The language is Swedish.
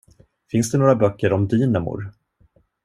Finns det några böcker om dynamor?